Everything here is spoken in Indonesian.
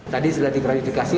tadi setelah diklarifikasi